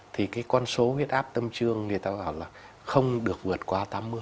thì cái con số huyết áp tâm trương người ta bảo là không được vượt qua tám mươi